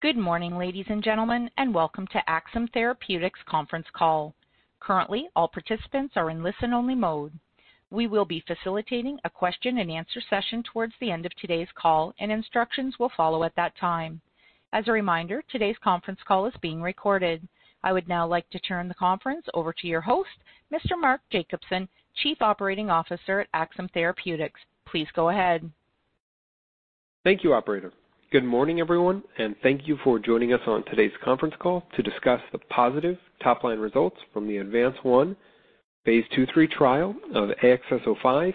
Good morning, ladies and gentlemen, and welcome to Axsome Therapeutics conference call. Currently, all participants are in listen-only mode. We will be facilitating a question and answer session towards the end of today's call, and instructions will follow at that time. As a reminder, today's conference call is being recorded. I would now like to turn the conference over to your host, Mr. Mark Jacobson, Chief Operating Officer at Axsome Therapeutics. Please go ahead. Thank you, operator. Good morning, everyone, thank you for joining us on today's conference call to discuss the positive top-line results from the ADVANCE-1 phase II/III trial of AXS-05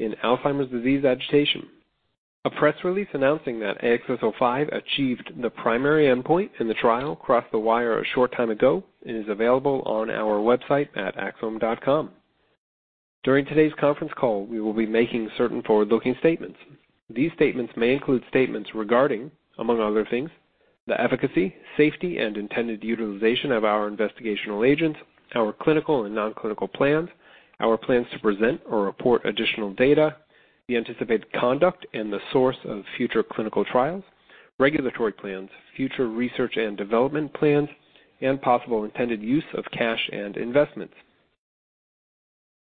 in Alzheimer's disease agitation. A press release announcing that AXS-05 achieved the primary endpoint in the trial crossed the wire a short time ago and is available on our website at axsome.com. During today's conference call, we will be making certain forward-looking statements. These statements may include statements regarding, among other things, the efficacy, safety, and intended utilization of our investigational agents, our clinical and non-clinical plans, our plans to present or report additional data, the anticipated conduct and the source of future clinical trials, regulatory plans, future research and development plans, and possible intended use of cash and investments.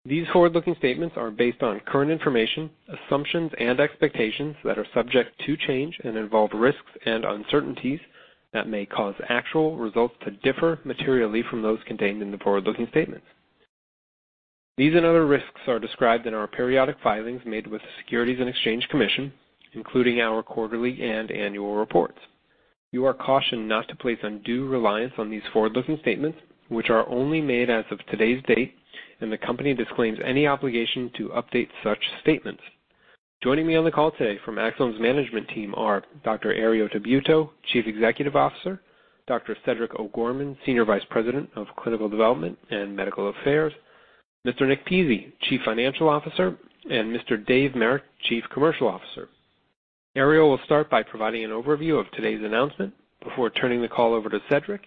These forward-looking statements are based on current information, assumptions, and expectations that are subject to change and involve risks and uncertainties that may cause actual results to differ materially from those contained in the forward-looking statements. These and other risks are described in our periodic filings made with the Securities and Exchange Commission, including our quarterly and annual reports. You are cautioned not to place undue reliance on these forward-looking statements, which are only made as of today's date, and the company disclaims any obligation to update such statements. Joining me on the call today from Axsome's management team are Dr. Herriot Tabuteau, Chief Executive Officer, Dr. Cedric O'Gorman, Senior Vice President of Clinical Development and Medical Affairs, Mr. Nick Pizzie, Chief Financial Officer, and Mr. David Marek, Chief Commercial Officer. Herriot will start by providing an overview of today's announcement before turning the call over to Cedric,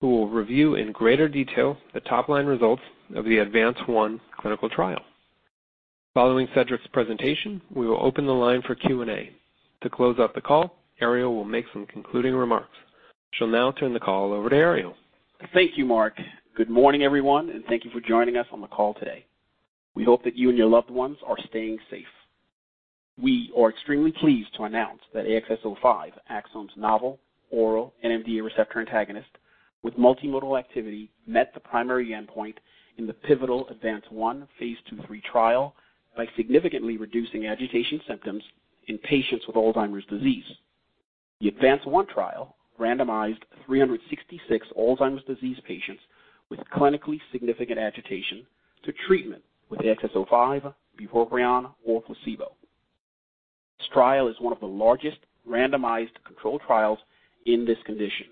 who will review in greater detail the top-line results of the ADVANCE-1 clinical trial. Following Cedric's presentation, we will open the line for Q&A. To close out the call, Herriot will make some concluding remarks. I shall now turn the call over to Herriot. Thank you, Mark. Good morning, everyone, and thank you for joining us on the call today. We hope that you and your loved ones are staying safe. We are extremely pleased to announce that AXS-05, Axsome's novel oral NMDA receptor antagonist with multimodal activity, met the primary endpoint in the pivotal ADVANCE 1 phase II/III trial by significantly reducing agitation symptoms in patients with Alzheimer's disease. The ADVANCE 1 trial randomized 366 Alzheimer's disease patients with clinically significant agitation to treatment with AXS-05, bupropion, or placebo. This trial is one of the largest randomized controlled trials in this condition.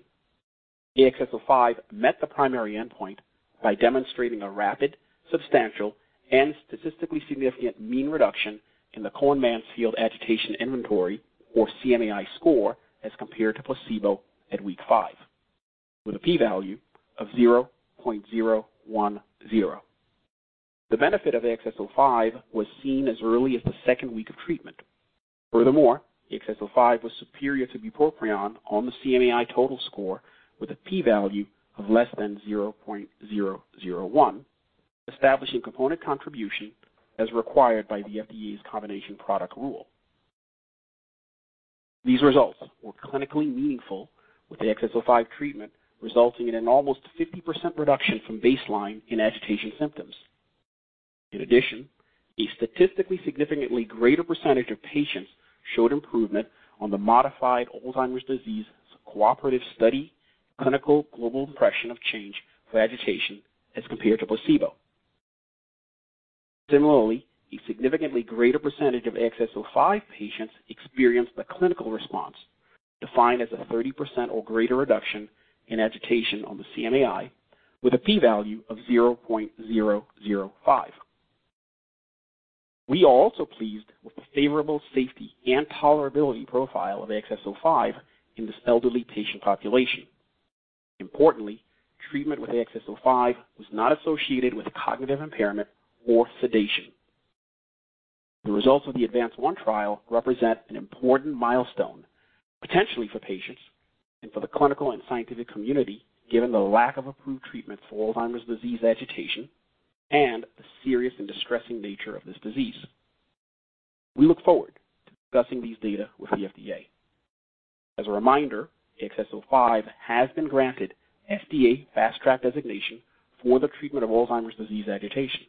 AXS-05 met the primary endpoint by demonstrating a rapid, substantial, and statistically significant mean reduction in the Cohen-Mansfield Agitation Inventory, or CMAI score, as compared to placebo at week five, with a P value of 0.010. The benefit of AXS-05 was seen as early as the second week of treatment. Furthermore, AXS-05 was superior to bupropion on the CMAI total score with a P value of less than 0.001, establishing component contribution as required by the FDA's combination product rule. These results were clinically meaningful, with the AXS-05 treatment resulting in an almost 50% reduction from baseline in agitation symptoms. In addition, a statistically significantly greater percentage of patients showed improvement on the modified Alzheimer's Disease Cooperative Study clinical global impression of change for agitation as compared to placebo. Similarly, a significantly greater percentage of AXS-05 patients experienced a clinical response, defined as a 30% or greater reduction in agitation on the CMAI with a P value of 0.005. We are also pleased with the favorable safety and tolerability profile of AXS-05 in this elderly patient population. Importantly, treatment with AXS-05 was not associated with cognitive impairment or sedation. The results of the ADVANCE-1 trial represent an important milestone, potentially for patients and for the clinical and scientific community, given the lack of approved treatments for Alzheimer's disease agitation and the serious and distressing nature of this disease. We look forward to discussing these data with the FDA. As a reminder, AXS-05 has been granted FDA Fast Track designation for the treatment of Alzheimer's disease agitation.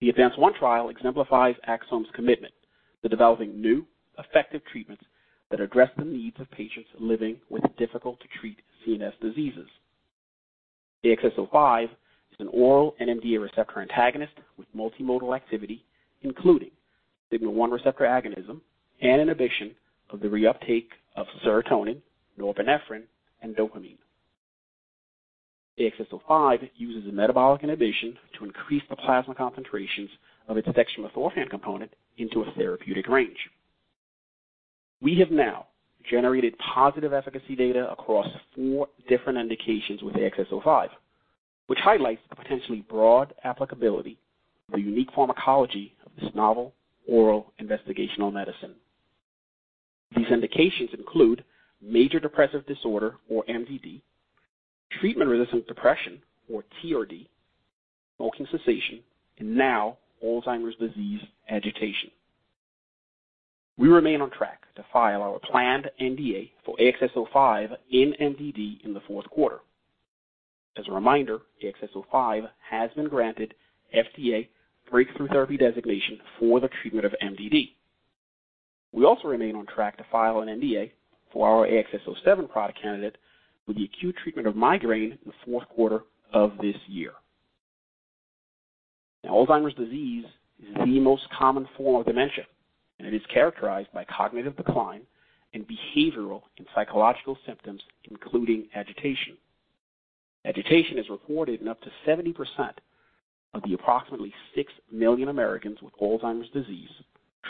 The ADVANCE-1 trial exemplifies Axsome's commitment to developing new, effective treatments that address the needs of patients living with difficult-to-treat CNS diseases. AXS-05 is an oral NMDA receptor antagonist with multimodal activity, including sigma-1 receptor agonism and inhibition of the reuptake of serotonin, norepinephrine, and dopamine. AXS-05 uses a metabolic inhibition to increase the plasma concentrations of its dextromethorphan component into a therapeutic range. We have now generated positive efficacy data across 4 different indications with AXS-05, which highlights the potentially broad applicability of the unique pharmacology of this novel oral investigational medicine. These indications include major depressive disorder, or MDD, treatment-resistant depression, or TRD, smoking cessation, and now Alzheimer's disease agitation. We remain on track to file our planned NDA for AXS-05 in MDD in the fourth quarter. As a reminder, AXS-05 has been granted FDA Breakthrough Therapy designation for the treatment of MDD. We also remain on track to file an NDA for our AXS-07 product candidate for the acute treatment of migraine in the fourth quarter of this year. Alzheimer's disease is the most common form of dementia, and it is characterized by cognitive decline and behavioral and psychological symptoms, including agitation. Agitation is reported in up to 70% of the approximately 6 million Americans with Alzheimer's disease,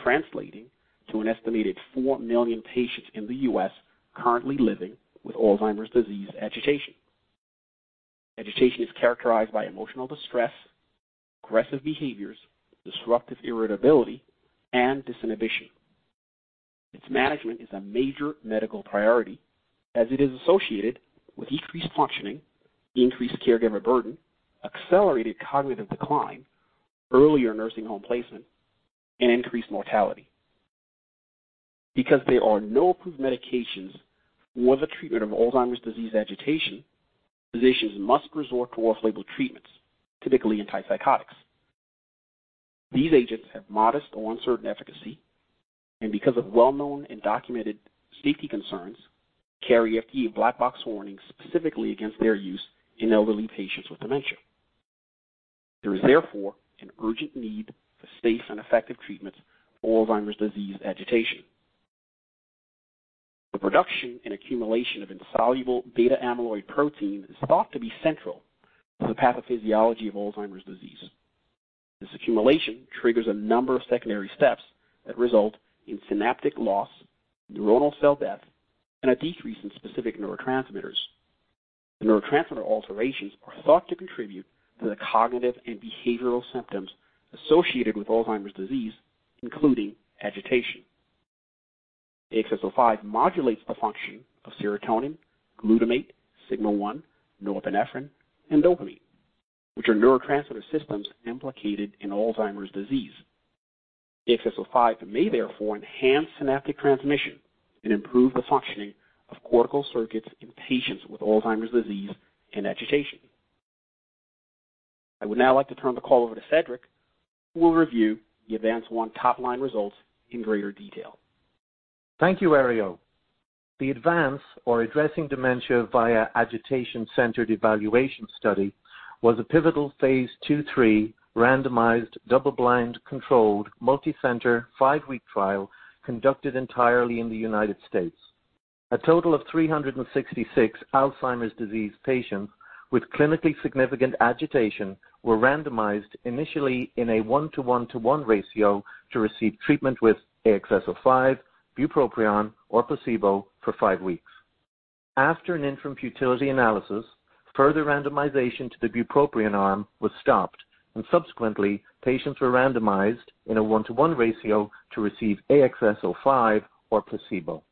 translating to an estimated 4 million patients in the U.S. currently living with Alzheimer's disease agitation. Agitation is characterized by emotional distress, aggressive behaviors, disruptive irritability, and disinhibition. Its management is a major medical priority as it is associated with decreased functioning, increased caregiver burden, accelerated cognitive decline, earlier nursing home placement, and increased mortality. Because there are no approved medications for the treatment of Alzheimer's disease agitation, physicians must resort to off-label treatments, typically antipsychotics. These agents have modest or uncertain efficacy and, because of well-known and documented safety concerns, carry FDA black box warnings specifically against their use in elderly patients with dementia. There is therefore an urgent need for safe and effective treatments for Alzheimer's disease agitation. The production and accumulation of insoluble beta-amyloid protein is thought to be central to the pathophysiology of Alzheimer's disease. This accumulation triggers a number of secondary steps that result in synaptic loss, neuronal cell death, and a decrease in specific neurotransmitters. The neurotransmitter alterations are thought to contribute to the cognitive and behavioral symptoms associated with Alzheimer's disease, including agitation. AXS-05 modulates the function of serotonin, glutamate, sigma-1, norepinephrine, and dopamine, which are neurotransmitter systems implicated in Alzheimer's disease. AXS-05 may therefore enhance synaptic transmission and improve the functioning of cortical circuits in patients with Alzheimer's disease and agitation. I would now like to turn the call over to Cedric, who will review the ADVANCE-1 top-line results in greater detail. Thank you, Herriot. The ADVANCE, or Addressing Dementia Via Agitation-Centered Evaluation study, was a pivotal phase II/III randomized, double-blind, controlled, multicenter, five-week trial conducted entirely in the U.S. A total of 366 Alzheimer's disease patients with clinically significant agitation were randomized initially in a one-to-one to one ratio to receive treatment with AXS-05, bupropion, or placebo for five weeks. After an interim futility analysis, further randomization to the bupropion arm was stopped, and subsequently, patients were randomized in a one-to-one ratio to receive AXS-05 or placebo.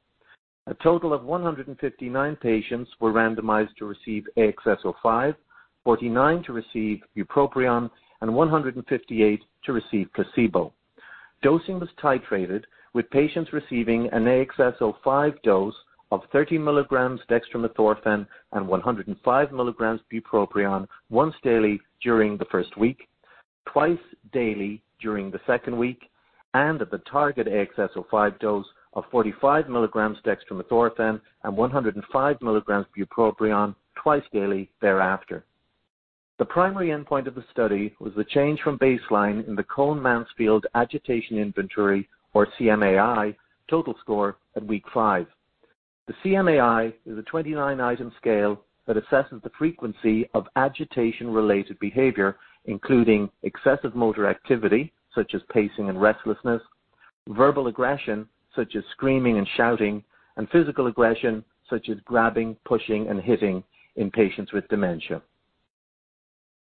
A total of 159 patients were randomized to receive AXS-05, 49 to receive bupropion, and 158 to receive placebo. Dosing was titrated with patients receiving an AXS-05 dose of 30 milligrams dextromethorphan and 105 milligrams bupropion once daily during the first week, twice daily during the second week, and at the target AXS-05 dose of 45 milligrams dextromethorphan and 105 milligrams bupropion twice daily thereafter. The primary endpoint of the study was the change from baseline in the Cohen-Mansfield Agitation Inventory, or CMAI, total score at week five. The CMAI is a 29-item scale that assesses the frequency of agitation-related behavior, including excessive motor activity, such as pacing and restlessness, verbal aggression, such as screaming and shouting, and physical aggression, such as grabbing, pushing, and hitting in patients with dementia.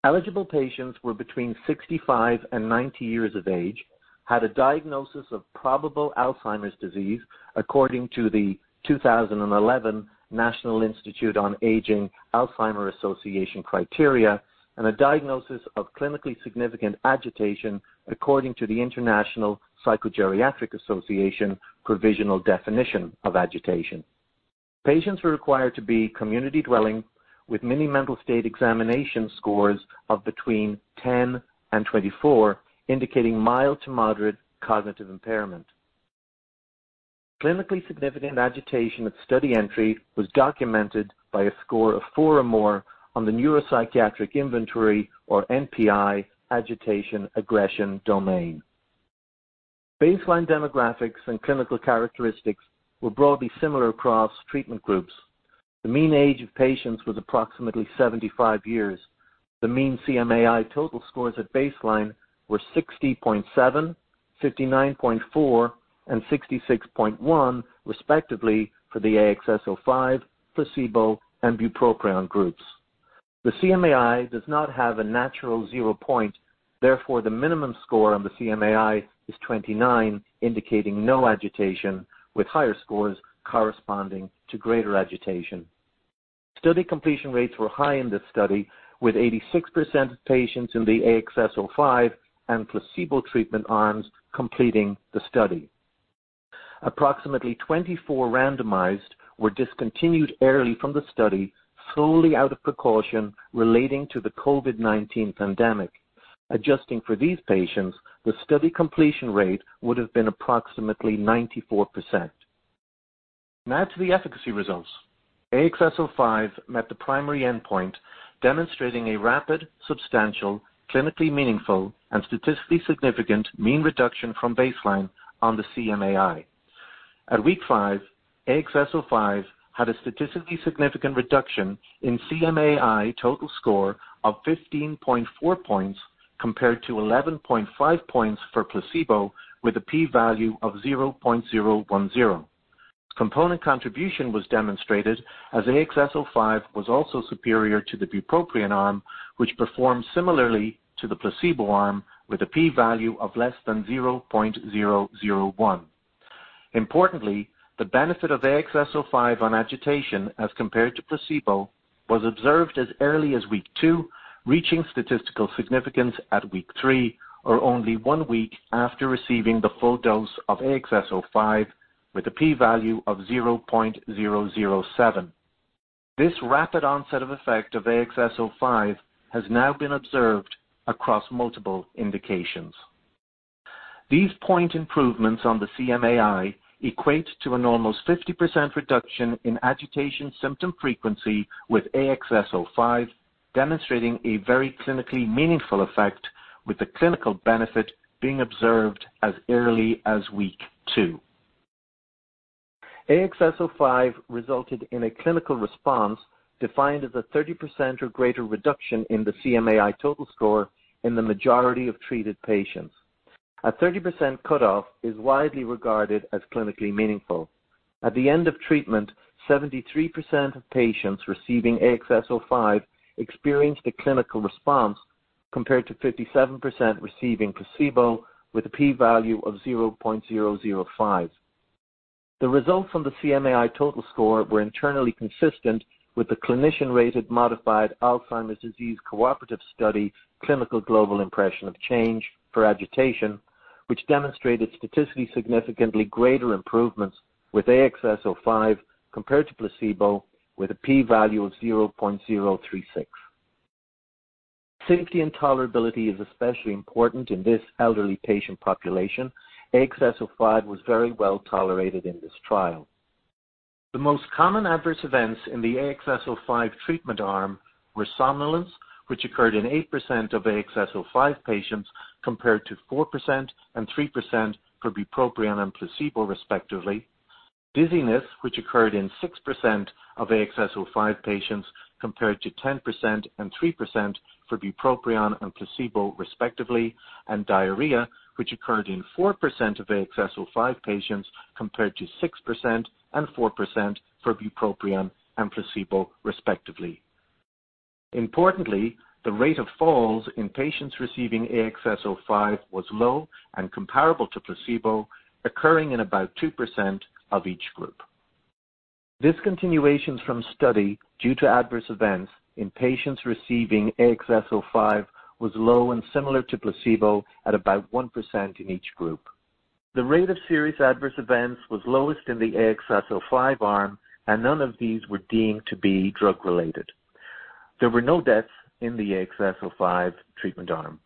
Eligible patients were between 65 and 90 years of age, had a diagnosis of probable Alzheimer's disease according to the 2011 National Institute on Aging-Alzheimer's Association criteria, and a diagnosis of clinically significant agitation according to the International Psychogeriatric Association provisional definition of agitation. Patients were required to be community-dwelling with Mini-Mental State Examination scores of between 10 and 24, indicating mild to moderate cognitive impairment. Clinically significant agitation at study entry was documented by a score of 4 or more on the Neuropsychiatric Inventory, or NPI, agitation aggression domain. Baseline demographics and clinical characteristics were broadly similar across treatment groups. The mean age of patients was approximately 75 years. The mean CMAI total scores at baseline were 60.7, 59.4 and 66.1 respectively for the AXS-05, placebo, and bupropion groups. The CMAI does not have a natural zero point. Therefore, the minimum score on the CMAI is 29, indicating no agitation, with higher scores corresponding to greater agitation. Study completion rates were high in this study, with 86% of patients in the AXS-05 and placebo treatment arms completing the study. Approximately 24 randomized were discontinued early from the study, solely out of precaution relating to the COVID-19 pandemic. Adjusting for these patients, the study completion rate would have been approximately 94%. Now to the efficacy results. AXS-05 met the primary endpoint, demonstrating a rapid, substantial, clinically meaningful, and statistically significant mean reduction from baseline on the CMAI. At week five, AXS-05 had a statistically significant reduction in CMAI total score of 15.4 points compared to 11.5 points for placebo with a p-value of 0.010. Component contribution was demonstrated as AXS-05 was also superior to the bupropion arm, which performed similarly to the placebo arm with a p-value of less than 0.001. Importantly, the benefit of AXS-05 on agitation as compared to placebo was observed as early as week two, reaching statistical significance at week three or only one week after receiving the full dose of AXS-05 with a p-value of 0.007. This rapid onset of effect of AXS-05 has now been observed across multiple indications. These point improvements on the CMAI equate to an almost 50% reduction in agitation symptom frequency with AXS-05, demonstrating a very clinically meaningful effect, with the clinical benefit being observed as early as week two. AXS-05 resulted in a clinical response defined as a 30% or greater reduction in the CMAI total score in the majority of treated patients. A 30% cutoff is widely regarded as clinically meaningful. At the end of treatment, 73% of patients receiving AXS-05 experienced a clinical response, compared to 57% receiving placebo with a p-value of 0.005. The results from the CMAI total score were internally consistent with the clinician-rated modified Alzheimer's Disease Cooperative Study Clinical Global Impression of Change for agitation, which demonstrated statistically significantly greater improvements with AXS-05 compared to placebo with a p-value of 0.036. Safety and tolerability is especially important in this elderly patient population. AXS-05 was very well tolerated in this trial. The most common adverse events in the AXS-05 treatment arm were somnolence, which occurred in 8% of AXS-05 patients compared to 4% and 3% for bupropion and placebo respectively. Dizziness, which occurred in 6% of AXS-05 patients compared to 10% and 3% for bupropion and placebo respectively. Diarrhea, which occurred in 4% of AXS-05 patients compared to 6% and 4% for bupropion and placebo respectively. Importantly, the rate of falls in patients receiving AXS-05 was low and comparable to placebo, occurring in about 2% of each group. Discontinuations from study due to adverse events in patients receiving AXS-05 was low and similar to placebo at about 1% in each group. The rate of serious adverse events was lowest in the AXS-05 arm, and none of these were deemed to be drug-related. There were no deaths in the AXS-05 treatment arm.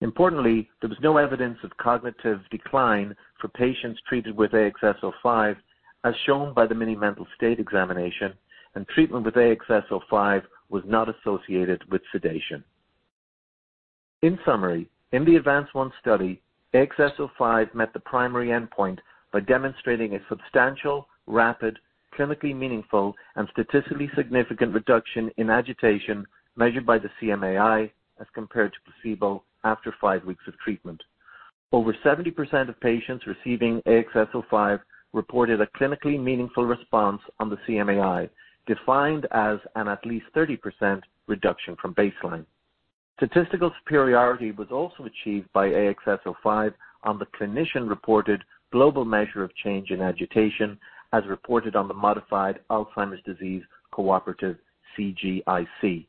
Importantly, there was no evidence of cognitive decline for patients treated with AXS-05, as shown by the Mini-Mental State Examination, and treatment with AXS-05 was not associated with sedation. In summary, in the ADVANCE-1 study, AXS-05 met the primary endpoint by demonstrating a substantial, rapid, clinically meaningful, and statistically significant reduction in agitation measured by the CMAI as compared to placebo after five weeks of treatment. Over 70% of patients receiving AXS-05 reported a clinically meaningful response on the CMAI, defined as an at least 30% reduction from baseline. Statistical superiority was also achieved by AXS-05 on the clinician-reported global measure of change in agitation, as reported on the modified Alzheimer's Disease Cooperative CGIC.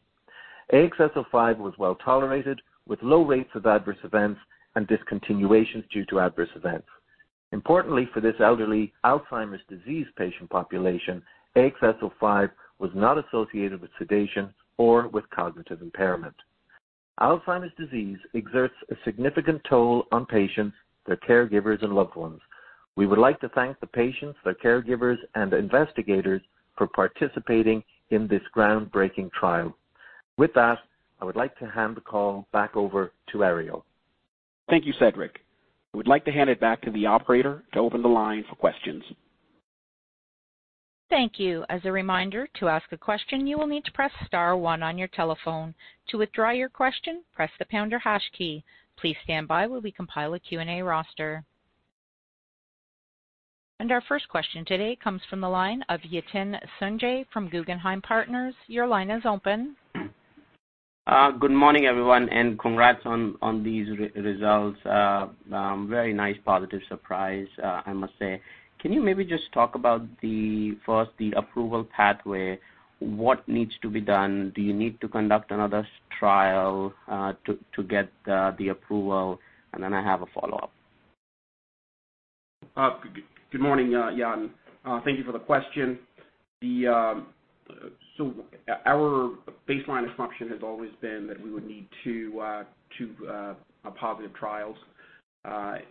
AXS-05 was well tolerated, with low rates of adverse events and discontinuations due to adverse events. Importantly for this elderly Alzheimer's disease patient population, AXS-05 was not associated with sedation or with cognitive impairment. Alzheimer's disease exerts a significant toll on patients, their caregivers, and loved ones. We would like to thank the patients, their caregivers, and investigators for participating in this groundbreaking trial. With that, I would like to hand the call back over to Herriot. Thank you, Cedric. I would like to hand it back to the operator to open the line for questions. Thank you. As a reminder, to ask a question, you will need to press star 1 on your telephone. To withdraw your question, press the pound or hash key. Please stand by while we compile a Q&A roster. Our first question today comes from the line of Yatin Suneja from Guggenheim Partners. Your line is open. Good morning, everyone. Congrats on these results. Very nice positive surprise, I must say. Can you maybe just talk about, first, the approval pathway, what needs to be done? Do you need to conduct another trial to get the approval? Then I have a follow-up. Good morning, Yatin. Thank you for the question. Our baseline assumption has always been that we would need two positive trials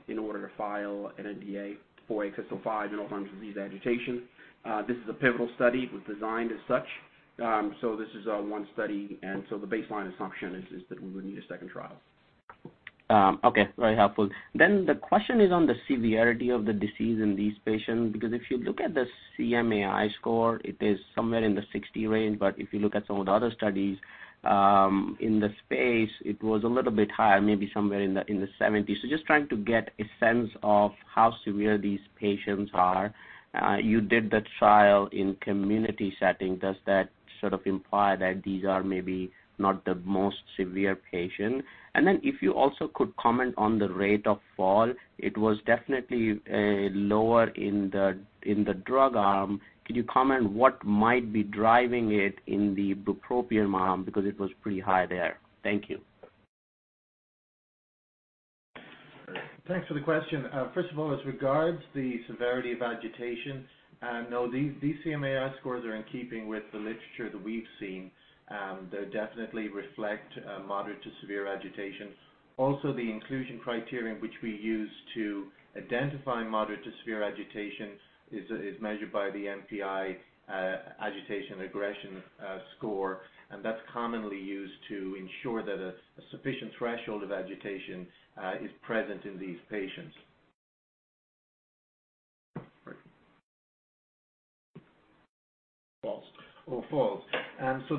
in order to file an NDA for AXS-05 in Alzheimer's disease agitation. This is a pivotal study. It was designed as such. This is one study. The baseline assumption is that we would need a second trial. Okay. Very helpful. The question is on the severity of the disease in these patients, because if you look at the CMAI score, it is somewhere in the 60 range, but if you look at some of the other studies in the space, it was a little bit higher, maybe somewhere in the 70s. Just trying to get a sense of how severe these patients are. You did the trial in community setting. Does that sort of imply that these are maybe not the most severe patient? If you also could comment on the rate of fall, it was definitely lower in the drug arm. Could you comment what might be driving it in the bupropion arm because it was pretty high there. Thank you. Thanks for the question. First of all, as regards the severity of agitation, no, these CMAI scores are in keeping with the literature that we've seen. They definitely reflect moderate to severe agitation. Also, the inclusion criterion which we use to identify moderate to severe agitation is measured by the NPI agitation aggression score. That's commonly used to ensure that a sufficient threshold of agitation is present in these patients. Falls. Oh, falls.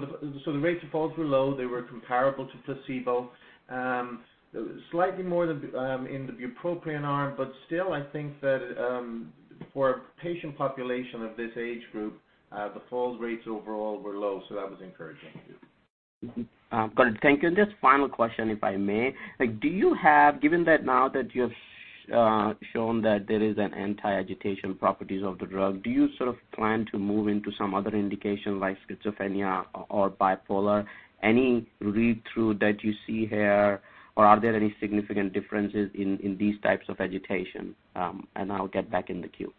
The rates of falls were low. They were comparable to placebo. Slightly more in the bupropion arm. Still I think that for a patient population of this age group, the fall rates overall were low. That was encouraging. Got it. Thank you. Just final question, if I may. Given that now that you have shown that there is an anti-agitation properties of the drug, do you sort of plan to move into some other indication like schizophrenia or bipolar? Any read-through that you see here, or are there any significant differences in these types of agitation? I'll get back in the queue.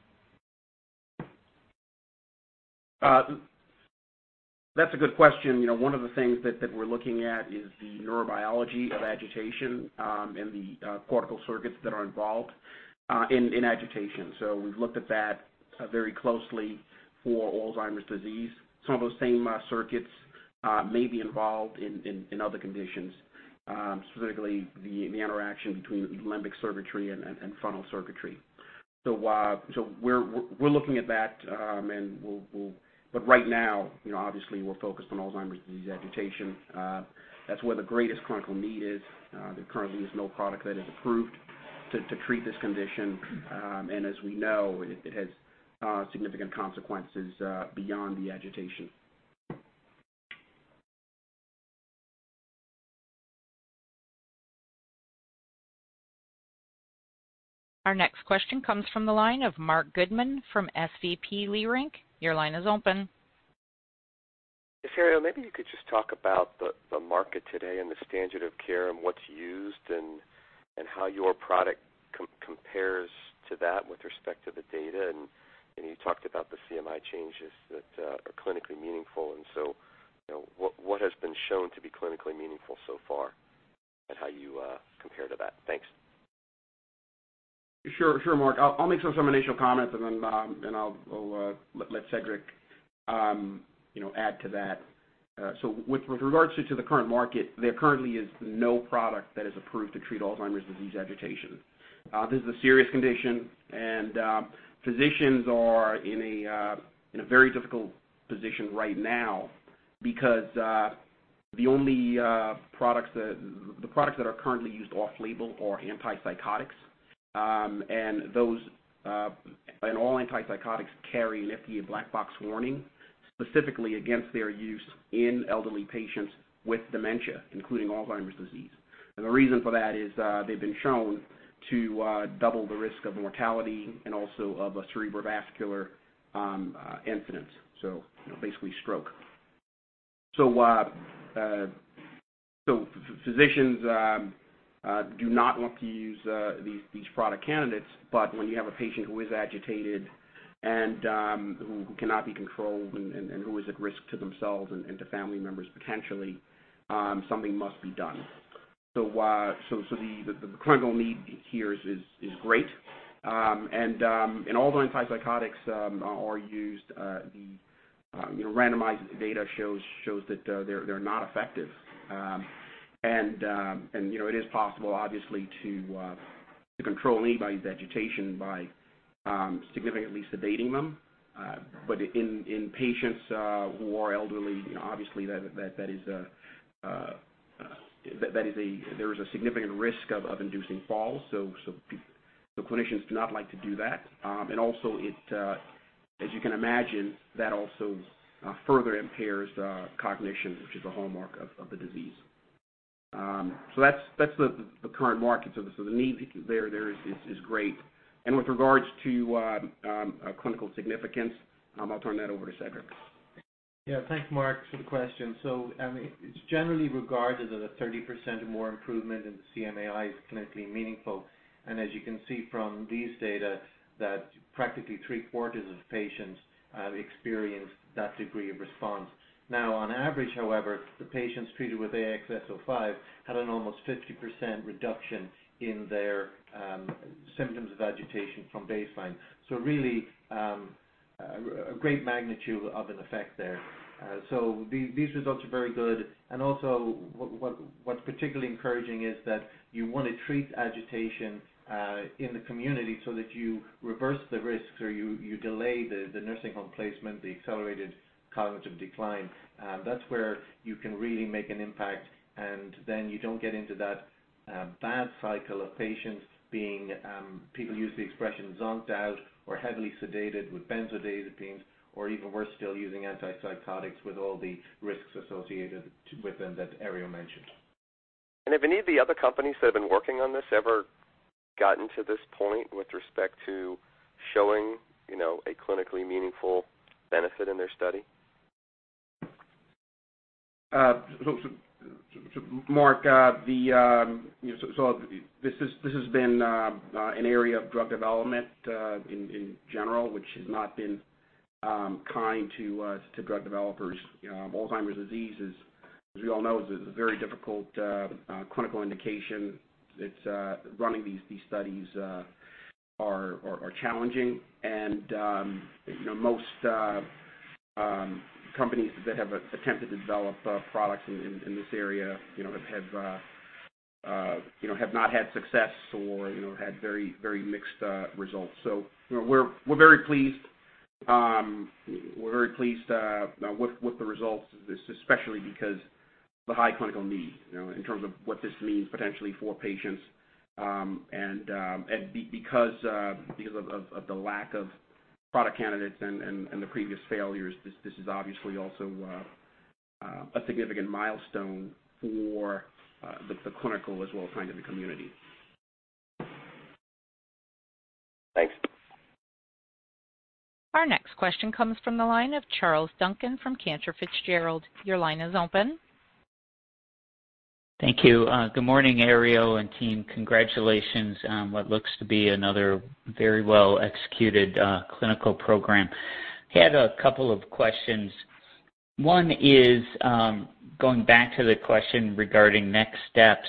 That's a good question. One of the things that we're looking at is the neurobiology of agitation and the cortical circuits that are involved in agitation. We've looked at that very closely for Alzheimer's Disease. Some of those same circuits may be involved in other conditions, specifically the interaction between limbic circuitry and frontal circuitry. We're looking at that, but right now, obviously, we're focused on Alzheimer's Disease agitation. That's where the greatest clinical need is. There currently is no product that is approved to treat this condition. As we know, it has significant consequences beyond the agitation. Our next question comes from the line of Marc Goodman from SVB Leerink. Your line is open. Herriot, maybe you could just talk about the market today and the standard of care and what's used and how your product compares to that with respect to the data, and you talked about the CMAI changes that are clinically meaningful. What has been shown to be clinically meaningful so far and how you compare to that? Thanks. Sure, Marc. I'll make some initial comments and then I'll let Cedric add to that. With regards to the current market, there currently is no product that is approved to treat Alzheimer's disease agitation. This is a serious condition, and physicians are in a very difficult position right now because the products that are currently used off-label are antipsychotics. All antipsychotics carry an FDA black box warning, specifically against their use in elderly patients with dementia, including Alzheimer's disease. The reason for that is they've been shown to double the risk of mortality and also of a cerebrovascular incidence. Basically stroke. Physicians do not want to use these product candidates, but when you have a patient who is agitated and who cannot be controlled and who is at risk to themselves and to family members, potentially, something must be done. The clinical need here is great. Although antipsychotics are used. Randomized data shows that they're not effective. It is possible, obviously, to control anybody's agitation by significantly sedating them. In patients who are elderly, obviously there is a significant risk of inducing falls. Clinicians do not like to do that. Also, as you can imagine, that also further impairs cognition, which is a hallmark of the disease. That's the current market. The need there is great. With regards to clinical significance, I'll turn that over to Cedric. Thanks, Marc, for the question. It's generally regarded that a 30% or more improvement in the CMAI is clinically meaningful. As you can see from these data, that practically three-quarters of patients experienced that degree of response. On average, however, the patients treated with AXS-05 had an almost 50% reduction in their symptoms of agitation from baseline. Really, a great magnitude of an effect there. Also, what's particularly encouraging is that you want to treat agitation in the community so that you reverse the risks or you delay the nursing home placement, the accelerated cognitive decline. That's where you can really make an impact, and then you don't get into that bad cycle of patients being, people use the expression zonked out or heavily sedated with benzodiazepines or even worse still using antipsychotics with all the risks associated with them that Herriot mentioned. Have any of the other companies that have been working on this ever gotten to this point with respect to showing a clinically meaningful benefit in their study? Marc, this has been an area of drug development in general which has not been kind to drug developers. Alzheimer's disease is, as we all know, is a very difficult clinical indication. Running these studies are challenging and most companies that have attempted to develop products in this area have not had success or had very mixed results. We're very pleased with the results of this, especially because the high clinical need in terms of what this means potentially for patients. Because of the lack of product candidates and the previous failures, this is obviously also a significant milestone for the clinical as well as kind of the community. Thanks. Our next question comes from the line of Charles Duncan from Cantor Fitzgerald. Your line is open. Thank you. Good morning, Herriot and team. Congratulations on what looks to be another very well-executed clinical program. Had a couple of questions. One is going back to the question regarding next steps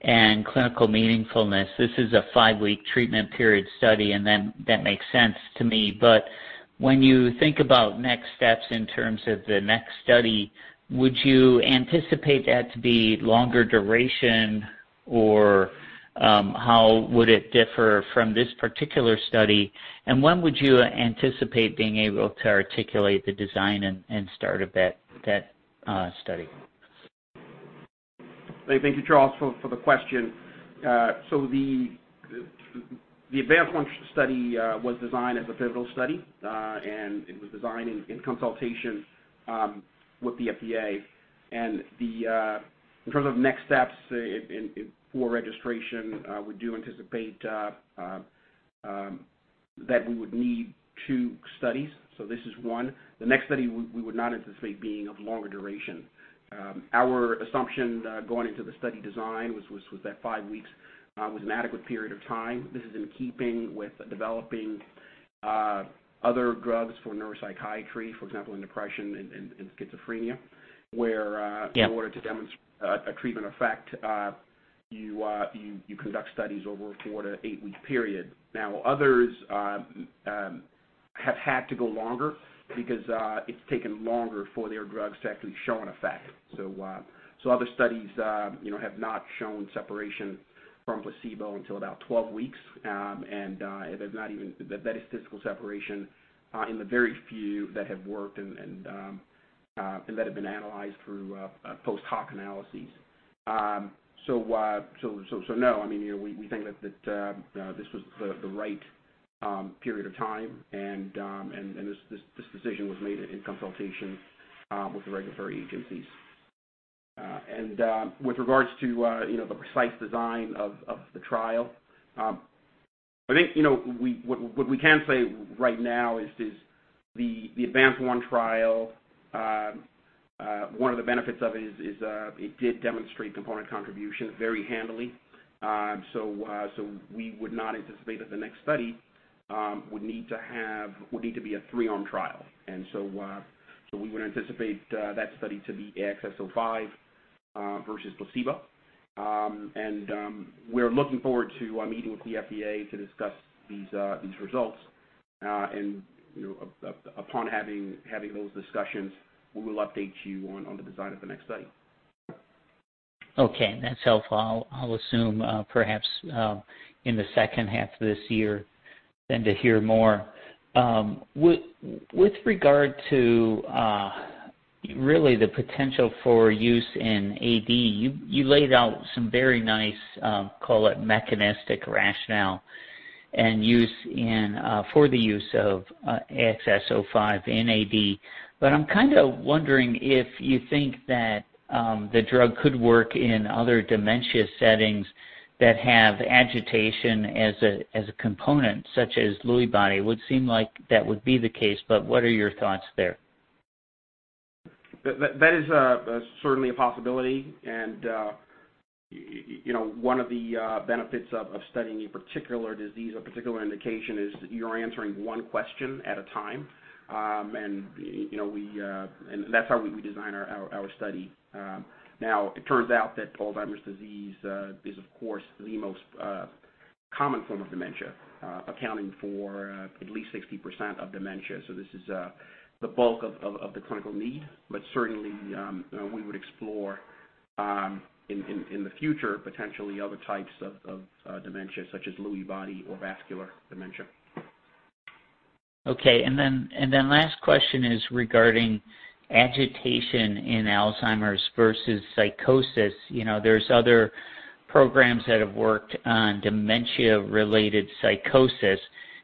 and clinical meaningfulness. This is a five-week treatment period study, and then that makes sense to me. When you think about next steps in terms of the next study, would you anticipate that to be longer duration, or how would it differ from this particular study? When would you anticipate being able to articulate the design and start of that study? Thank you, Charles, for the question. The ADVANCE-1 study was designed as a pivotal study, and it was designed in consultation with the FDA. In terms of next steps for registration, we do anticipate that we would need two studies. This is one. The next study we would not anticipate being of longer duration. Our assumption going into the study design was that five weeks was an adequate period of time. This is in keeping with developing other drugs for neuropsychiatry, for example, in depression and schizophrenia. Yeah in order to demonstrate a treatment effect you conduct studies over a 4 to 8-week period. Now, others have had to go longer because it's taken longer for their drugs to actually show an effect. Other studies have not shown separation from placebo until about 12 weeks. That is physical separation in the very few that have worked and that have been analyzed through post hoc analyses. No, we think that this was the right period of time and this decision was made in consultation with the regulatory agencies. With regards to the precise design of the trial, I think what we can say right now is the ADVANCE-1 trial, one of the benefits of it is it did demonstrate component contribution very handily. We would not anticipate that the next study would need to be a three-arm trial. We would anticipate that study to be AXS-05 versus placebo. We're looking forward to meeting with the FDA to discuss these results. Upon having those discussions, we will update you on the design of the next study. Okay, that's helpful. I'll assume perhaps in the second half of this year then to hear more. With regard to really the potential for use in AD, you laid out some very nice, call it mechanistic rationale for the use of AXS-05 in AD. I'm kind of wondering if you think that the drug could work in other dementia settings that have agitation as a component, such as Lewy body. It would seem like that would be the case, but what are your thoughts there? That is certainly a possibility. One of the benefits of studying a particular disease or particular indication is you're answering one question at a time. That's how we design our study. Now, it turns out that Alzheimer's disease is, of course, the most common form of dementia, accounting for at least 60% of dementia. This is the bulk of the clinical need. Certainly, we would explore, in the future, potentially other types of dementia, such as Lewy body or vascular dementia. Last question is regarding agitation in Alzheimer's versus psychosis. There's other programs that have worked on dementia-related psychosis,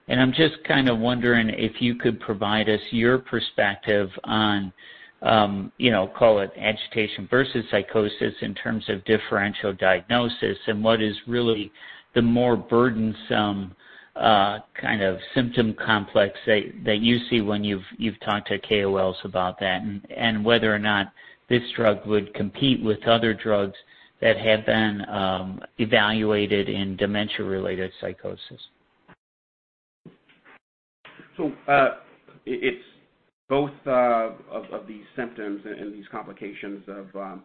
I'm just kind of wondering if you could provide us your perspective on, call it agitation versus psychosis in terms of differential diagnosis and what is really the more burdensome kind of symptom complex that you see when you've talked to KOLs about that, and whether or not this drug would compete with other drugs that have been evaluated in dementia-related psychosis. Both of these symptoms and these complications of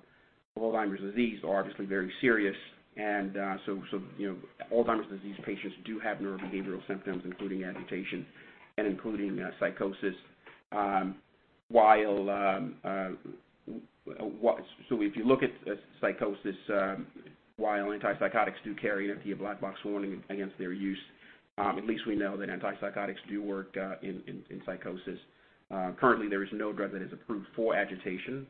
Alzheimer's disease are obviously very serious. Alzheimer's disease patients do have neurobehavioral symptoms, including agitation and including psychosis. If you look at psychosis, while antipsychotics do carry a black box warning against their use, at least we know that antipsychotics do work in psychosis. Currently, there is no drug that is approved for agitation.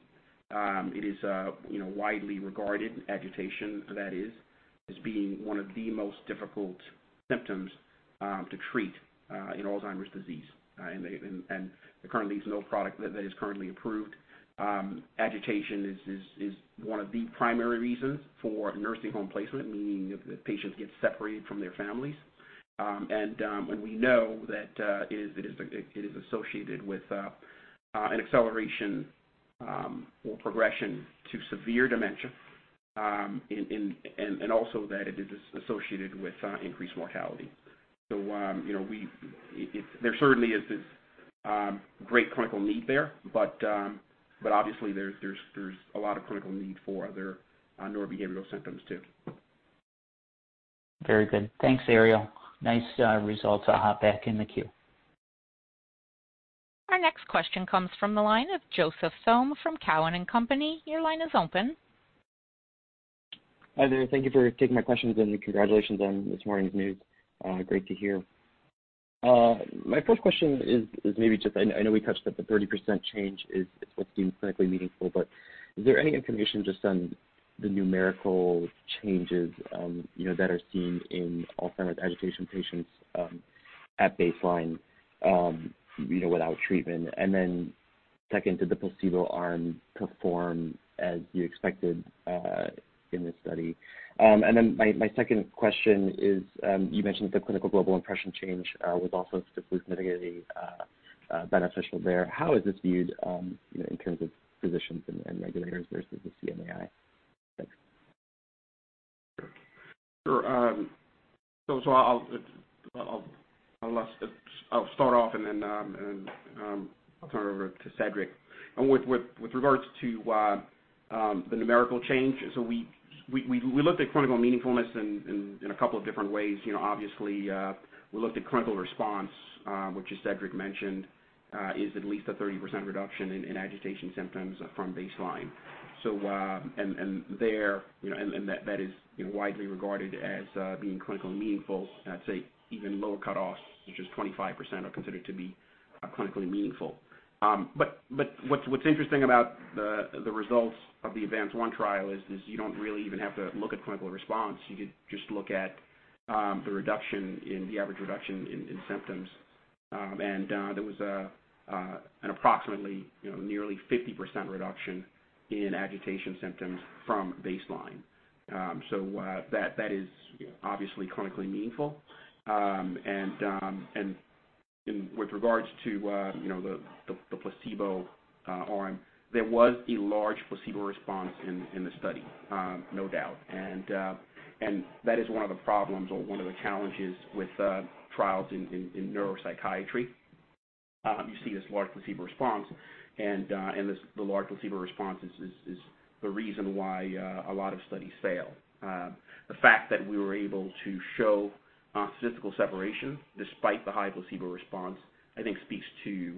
It is widely regarded, agitation, that is, as being one of the most difficult symptoms to treat in Alzheimer's disease. There currently is no product that is currently approved. Agitation is one of the primary reasons for nursing home placement, meaning the patients get separated from their families. We know that it is associated with an acceleration or progression to severe dementia, and also that it is associated with increased mortality. There certainly is this great clinical need there. Obviously there's a lot of clinical need for other neurobehavioral symptoms, too. Very good. Thanks, Herriot. Nice results. I'll hop back in the queue. Our next question comes from the line of Joseph Thome from Cowen and Company. Your line is open. Hi there. Thank you for taking my questions and congratulations on this morning's news. Great to hear. My first question is maybe just, I know we touched that the 30% change is what's deemed clinically meaningful, but is there any information just on the numerical changes that are seen in Alzheimer's agitation patients, at baseline without treatment? Second, did the placebo arm perform as you expected in this study? My second question is, you mentioned that the Clinical Global Impression Change was also statistically beneficial there. How is this viewed in terms of physicians and regulators versus the CMAI? Thanks. Sure. I'll start off, and then I'll turn it over to Cedric. With regards to the numerical change, we looked at clinical meaningfulness in a couple of different ways. Obviously, we looked at clinical response, which as Cedric mentioned, is at least a 30% reduction in agitation symptoms from baseline. That is widely regarded as being clinically meaningful. I'd say even lower cutoffs, which is 25%, are considered to be clinically meaningful. What's interesting about the results of the ADVANCE-1 trial is you don't really even have to look at clinical response. You could just look at the average reduction in symptoms. There was an approximately nearly 50% reduction in agitation symptoms from baseline. That is obviously clinically meaningful. With regards to the placebo arm, there was a large placebo response in the study, no doubt. That is one of the problems or one of the challenges with trials in neuropsychiatry. You see this large placebo response. The large placebo response is the reason why a lot of studies fail. The fact that we were able to show statistical separation despite the high placebo response, I think speaks to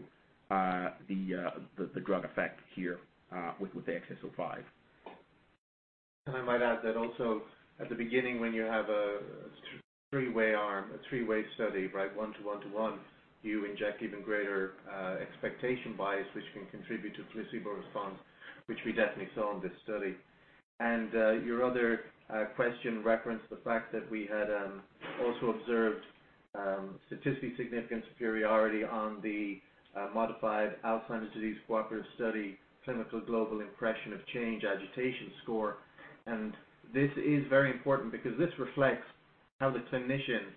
the drug effect here with AXS-05. I might add that also at the beginning, when you have a three-way arm, a three-way study, right? One to one to one, you inject even greater expectation bias, which can contribute to placebo response, which we definitely saw in this study. Your other question referenced the fact that we had also observed statistically significant superiority on the modified Alzheimer's Disease Cooperative Study, Clinical Global Impression of Change agitation score. This is very important because this reflects how the clinician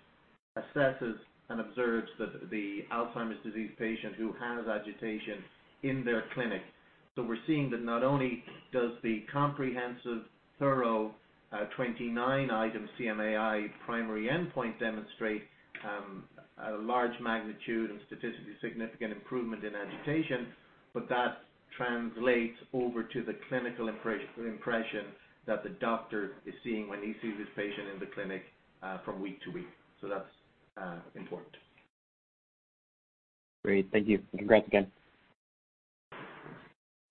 assesses and observes the Alzheimer's disease patient who has agitation in their clinic. We're seeing that not only does the comprehensive, thorough, 29-item CMAI primary endpoint demonstrate a large magnitude and statistically significant improvement in agitation, but that translates over to the clinical impression that the doctor is seeing when he sees his patient in the clinic from week to week. That's important. Great. Thank you. Congrats again.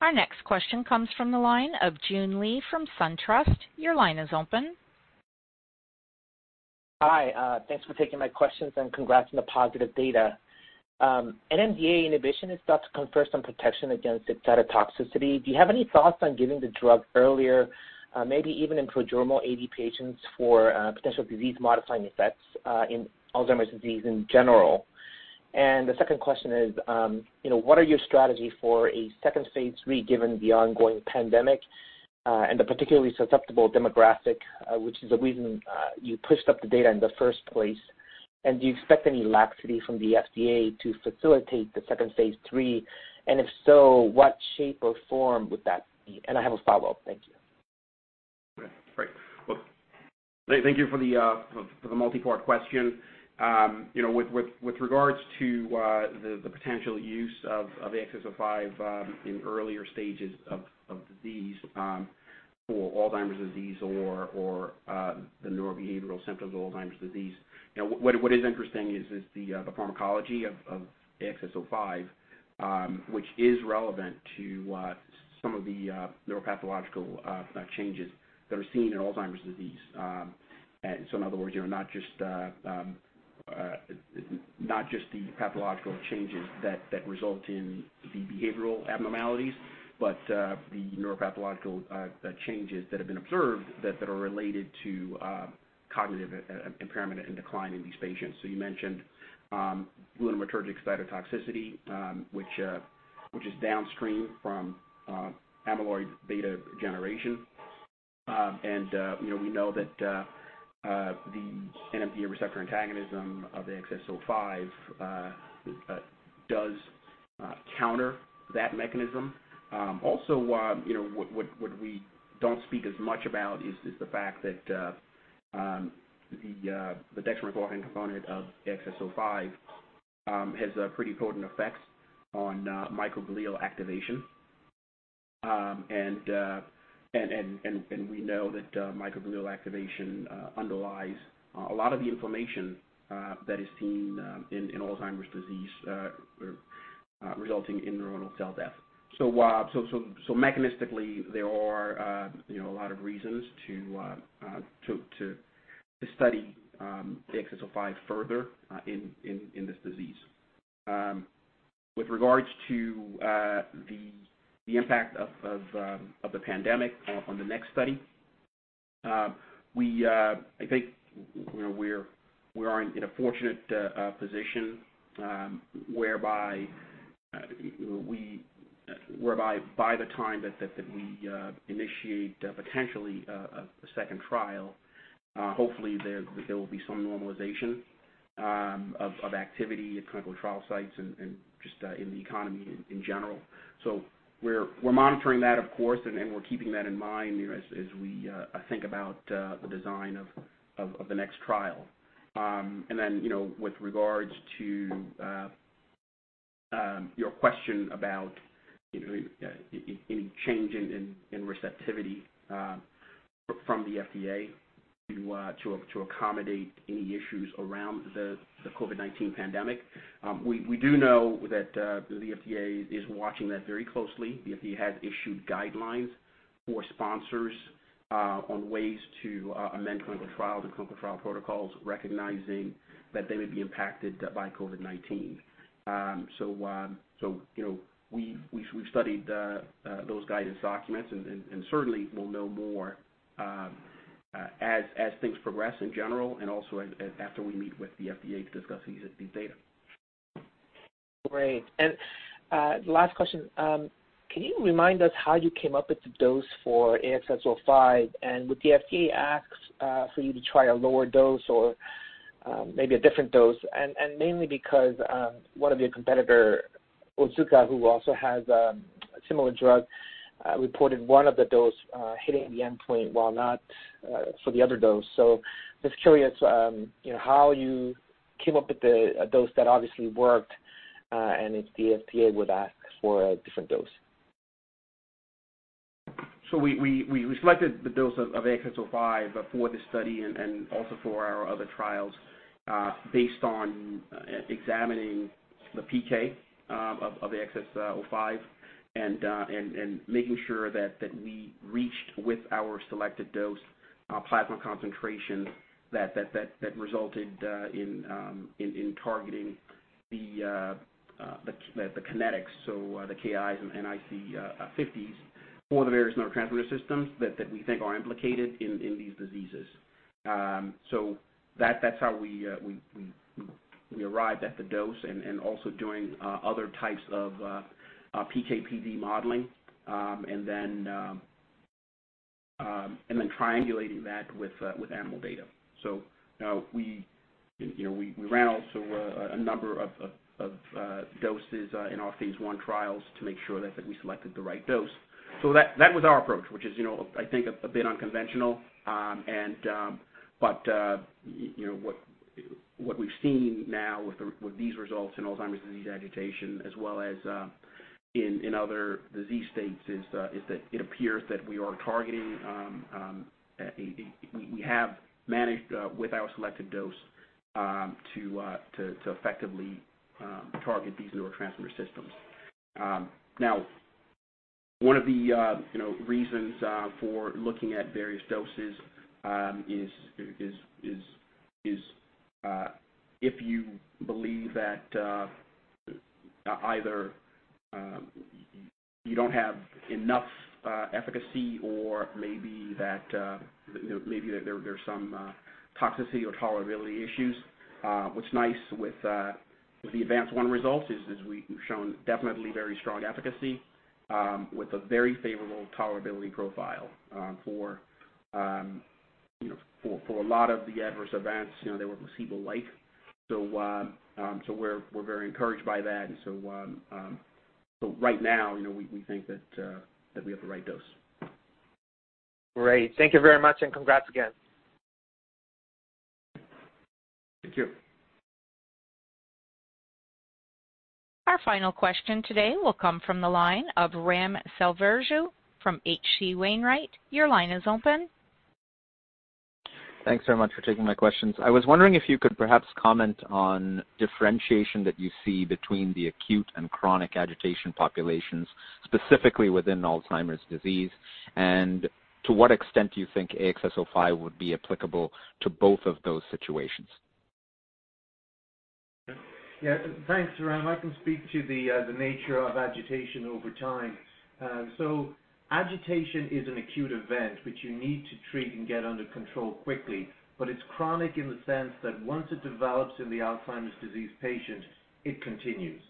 Our next question comes from the line of Joon Lee from SunTrust. Your line is open. Hi. Thanks for taking my questions, and congrats on the positive data. NMDA inhibition is thought to confer some protection against excitotoxicity. Do you have any thoughts on giving the drug earlier, maybe even in prodromal AD patients for potential disease modifying effects in Alzheimer's disease in general? The second question is, what are your strategy for a second phase III, given the ongoing pandemic, and the particularly susceptible demographic, which is the reason you pushed up the data in the first place? Do you expect any laxity from the FDA to facilitate the second phase III? If so, what shape or form would that be? I have a follow-up. Thank you. Okay. Great. Well, thank you for the multi-part question. With regards to the potential use of AXS-05 in earlier stages of disease for Alzheimer's disease or the neurobehavioral symptoms of Alzheimer's disease. What is interesting is the pharmacology of AXS-05, which is relevant to some of the neuropathological changes that are seen in Alzheimer's disease. In other words, not just the pathological changes that result in the behavioral abnormalities, but the neuropathological changes that have been observed that are related to cognitive impairment and decline in these patients. You mentioned glutamatergic excitotoxicity which is downstream from amyloid beta generation. We know that the NMDA receptor antagonism of AXS-05 does counter that mechanism. Also what we don't speak as much about is the fact that the dextromethorphan component of AXS-05 has pretty potent effects on microglial activation. We know that microglial activation underlies a lot of the inflammation that is seen in Alzheimer's disease, resulting in neuronal cell death. Mechanistically, there are a lot of reasons to study AXS-05 further in this disease. With regards to the impact of the pandemic on the next study, I think we are in a fortunate position whereby by the time that we initiate potentially a second trial hopefully there will be some normalization of activity at clinical trial sites and just in the economy in general. We're monitoring that, of course, and we're keeping that in mind as we think about the design of the next trial. With regards to your question about any change in receptivity from the FDA to accommodate any issues around the COVID-19 pandemic. We do know that the FDA is watching that very closely. The FDA has issued guidelines for sponsors on ways to amend clinical trial to clinical trial protocols, recognizing that they may be impacted by COVID-19. We've studied those guidance documents and certainly we'll know more as things progress in general and also after we meet with the FDA to discuss these data. Great. Last question. Can you remind us how you came up with the dose for AXS-05 and would the FDA ask for you to try a lower dose or maybe a different dose? Mainly because one of your competitor, Otsuka, who also has a similar drug reported one of the dose hitting the endpoint while not for the other dose. Just curious how you came up with the dose that obviously worked, and if the FDA would ask for a different dose. We selected the dose of AXS-05 for the study and also for our other trials, based on examining the PK of AXS-05 and making sure that we reached with our selected dose plasma concentration that resulted in targeting the kinetics, so the Ki and IC50 for the various neurotransmitter systems that we think are implicated in these diseases. That's how we arrived at the dose and also doing other types of PK/PD modeling, and then triangulating that with animal data. Now we ran also a number of doses in our phase I trials to make sure that we selected the right dose. That was our approach, which is I think a bit unconventional. What we've seen now with these results in Alzheimer's disease agitation as well as in other disease states, is that it appears that we have managed with our selected dose to effectively target these neurotransmitter systems. One of the reasons for looking at various doses is if you believe that either you don't have enough efficacy or maybe that there's some toxicity or tolerability issues. What's nice with the ADVANCE-1 results is we've shown definitely very strong efficacy with a very favorable tolerability profile. For a lot of the adverse events, they were placebo-like. We're very encouraged by that. Right now, we think that we have the right dose. Great. Thank you very much, and congrats again. Thank you. Our final question today will come from the line of Ram Selvaraju from HC Wainwright & Co. Your line is open. Thanks very much for taking my questions. I was wondering if you could perhaps comment on differentiation that you see between the acute and chronic agitation populations, specifically within Alzheimer's disease. To what extent do you think AXS-05 would be applicable to both of those situations? Yeah, thanks, Ram. I can speak to the nature of agitation over time. Agitation is an acute event which you need to treat and get under control quickly, but it's chronic in the sense that once it develops in the Alzheimer's disease patient, it continues.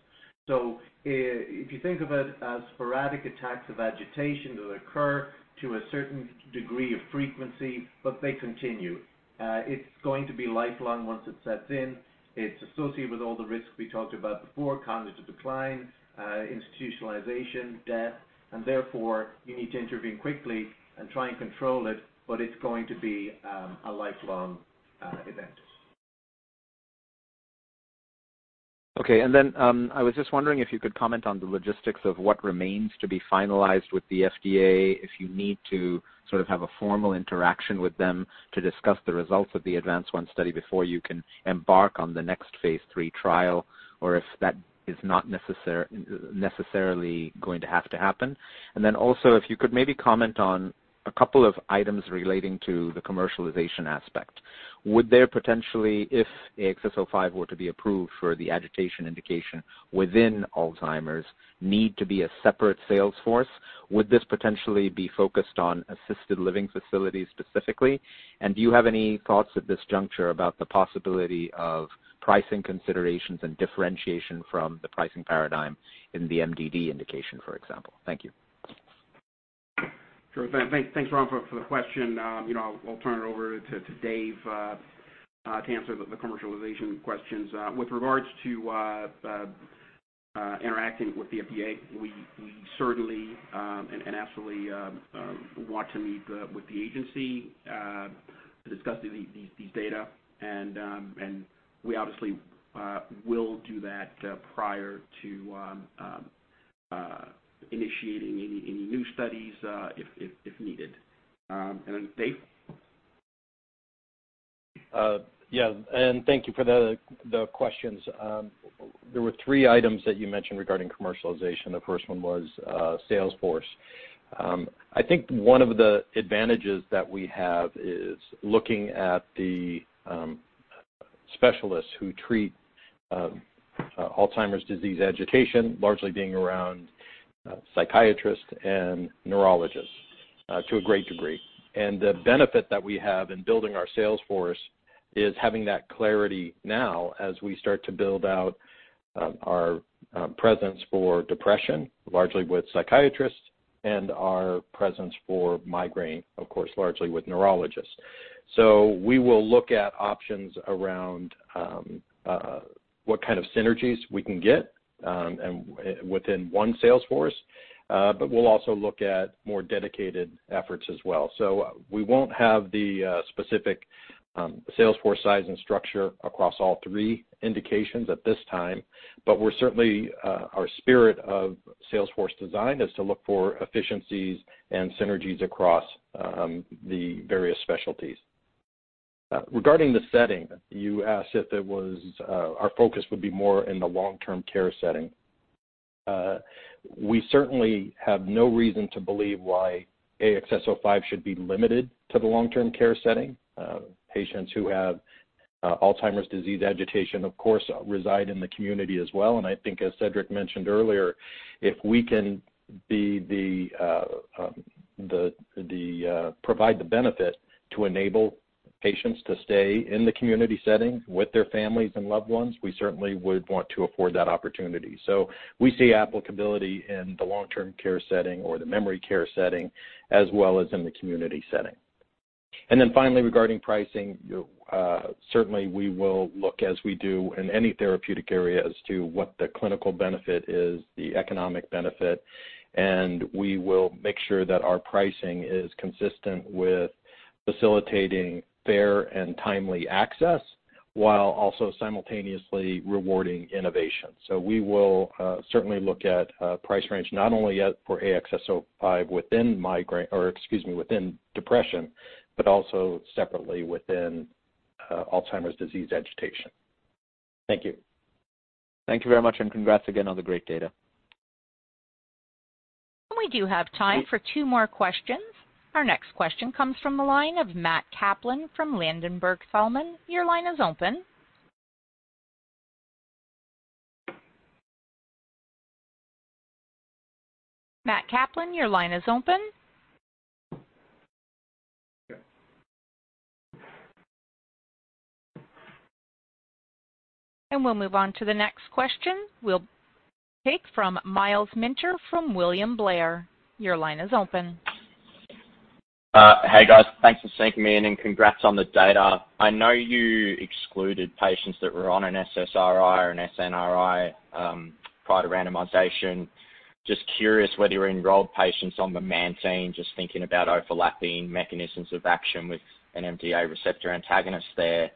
If you think of it as sporadic attacks of agitation that occur to a certain degree of frequency, but they continue. It's going to be lifelong once it sets in. It's associated with all the risks we talked about before, cognitive decline, institutionalization, death, and therefore, you need to intervene quickly and try and control it, but it's going to be a lifelong event. Okay, I was just wondering if you could comment on the logistics of what remains to be finalized with the FDA, if you need to sort of have a formal interaction with them to discuss the results of the ADVANCE-1 study before you can embark on the next phase III trial, or if that is not necessarily going to have to happen. Also, if you could maybe comment on a couple of items relating to the commercialization aspect. Would there potentially, if AXS-05 were to be approved for the agitation indication within Alzheimer's, need to be a separate sales force? Would this potentially be focused on assisted living facilities specifically? Do you have any thoughts at this juncture about the possibility of pricing considerations and differentiation from the pricing paradigm in the MDD indication, for example? Thank you. Sure. Thanks, Ram, for the question. I'll turn it over to Ari to answer the commercialization questions. With regards to interacting with the FDA, we certainly and absolutely want to meet with the agency to discuss these data. We obviously will do that prior to initiating any new studies if needed. Ari? Yeah, thank you for the questions. There were three items that you mentioned regarding commercialization. The first one was sales force. I think one of the advantages that we have is looking at the specialists who treat Alzheimer's disease agitation, largely being around psychiatrists and neurologists to a great degree. The benefit that we have in building our sales force is having that clarity now as we start to build out our presence for depression, largely with psychiatrists, and our presence for migraine, of course, largely with neurologists. We will look at options around what kind of synergies we can get within one sales force, but we'll also look at more dedicated efforts as well. We won't have the specific sales force size and structure across all three indications at this time. Certainly, our spirit of sales force design is to look for efficiencies and synergies across the various specialties. Regarding the setting, you asked if our focus would be more in the long-term care setting. We certainly have no reason to believe why AXS-05 should be limited to the long-term care setting. Patients who have Alzheimer's disease agitation, of course, reside in the community as well, and I think as Cedric mentioned earlier, if we can provide the benefit to enable patients to stay in the community setting with their families and loved ones, we certainly would want to afford that opportunity. We see applicability in the long-term care setting or the memory care setting, as well as in the community setting. Finally, regarding pricing, certainly we will look as we do in any therapeutic area as to what the clinical benefit is, the economic benefit, and we will make sure that our pricing is consistent with facilitating fair and timely access, while also simultaneously rewarding innovation. We will certainly look at price range, not only for AXS-05 within depression, but also separately within Alzheimer's disease agitation. Thank you. Thank you very much, and congrats again on the great data. We do have time for two more questions. Our next question comes from the line of Matthew Kaplan from Ladenburg Thalmann. Your line is open. Matthew Kaplan, your line is open. We'll move on to the next question. We'll take from Myles Minter from William Blair. Your line is open. Hey, guys. Thanks for sneaking me in, and congrats on the data. I know you excluded patients that were on an SSRI or an SNRI prior to randomization. Just curious whether you enrolled patients on memantine, just thinking about overlapping mechanisms of action with an NMDA receptor antagonist there.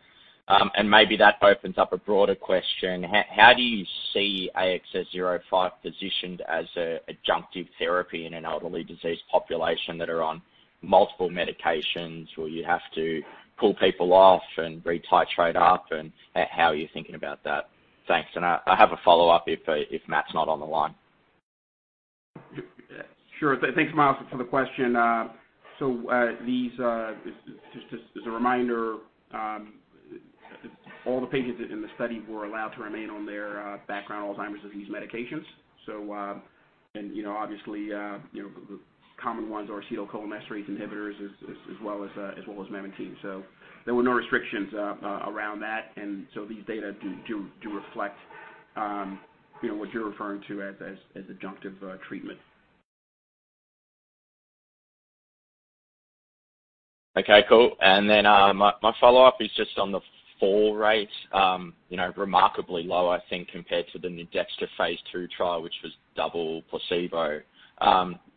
Maybe that opens up a broader question. How do you see AXS-05 positioned as an adjunctive therapy in an elderly disease population that are on multiple medications, where you have to pull people off and retitrate up, and how are you thinking about that? Thanks. I have a follow-up if Matt's not on the line. Sure. Thanks, Myles, for the question. Just as a reminder, all the patients in the study were allowed to remain on their background Alzheimer's Disease medications. Obviously, the common ones are acetylcholinesterase inhibitors as well as memantine. There were no restrictions around that. These data do reflect what you're referring to as adjunctive treatment. Okay, cool. My follow-up is just on the fall rates. Remarkably low, I think, compared to the Nuedexta phase II trial, which was double placebo.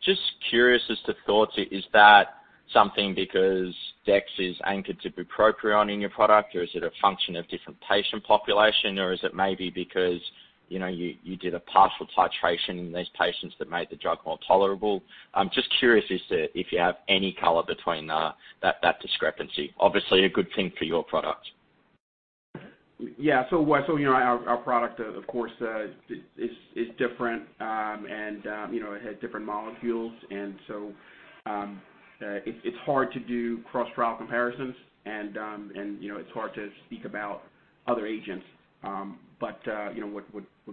Just curious as to thoughts. Is that something because dex is anchored to bupropion in your product, or is it a function of different patient population, or is it maybe because you did a partial titration in these patients that made the drug more tolerable? I'm just curious as to if you have any color between that discrepancy. Obviously a good thing for your product. Yeah. Our product, of course, is different. It has different molecules. It's hard to do cross-trial comparisons and it's hard to speak about other agents. What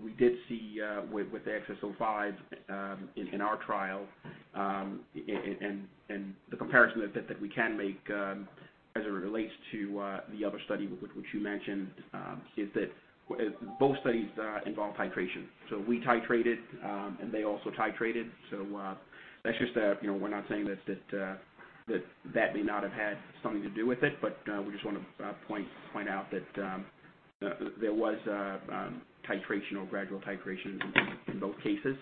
we did see with AXS-05 in our trial, and the comparison that we can make as it relates to the other study with which you mentioned, is that both studies involve titration. We titrated, and they also titrated. We're not saying that that may not have had something to do with it, but we just want to point out that there was titration or gradual titration in both cases.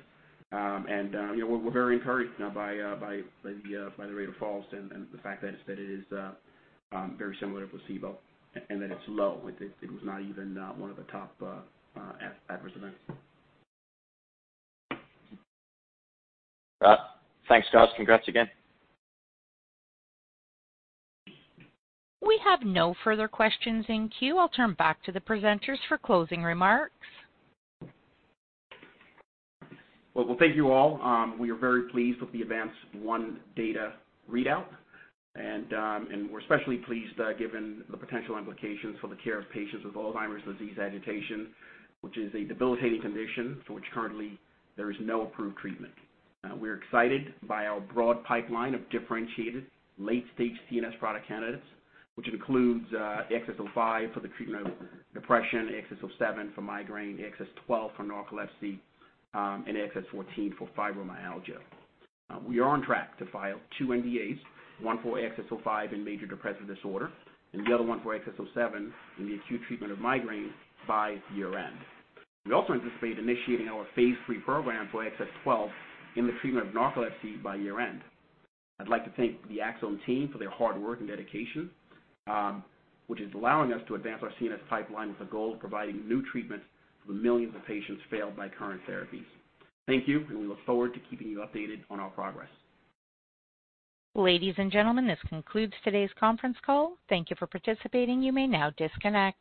We're very encouraged now by the rate of falls and the fact that it is very similar to placebo and that it's low. It was not even one of the top adverse events. Thanks, guys. Congrats again. We have no further questions in queue. I'll turn back to the presenters for closing remarks. Well, thank you all. We are very pleased with the ADVANCE-1 data readout, and we're especially pleased given the potential implications for the care of patients with Alzheimer's disease agitation, which is a debilitating condition for which currently there is no approved treatment. We're excited by our broad pipeline of differentiated late-stage CNS product candidates, which includes AXS-05 for the treatment of depression, AXS-07 for migraine, AXS-12 for narcolepsy, and AXS-14 for fibromyalgia. We are on track to file two NDAs, one for AXS-05 in major depressive disorder and the other one for AXS-07 in the acute treatment of migraine by year-end. We also anticipate initiating our phase III program for AXS-12 in the treatment of narcolepsy by year-end. I'd like to thank the Axsome team for their hard work and dedication, which is allowing us to advance our CNS pipeline with the goal of providing new treatments for the millions of patients failed by current therapies. Thank you, and we look forward to keeping you updated on our progress. Ladies and gentlemen, this concludes today's conference call. Thank you for participating. You may now disconnect.